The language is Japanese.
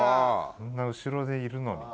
後ろでいるのに。